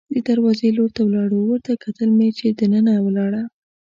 د دروازې لور ته ولاړو، ورته کتل مې چې دننه ولاړه.